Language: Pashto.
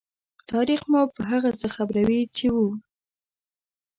تاریخ مو په هغه څه خبروي چې وو.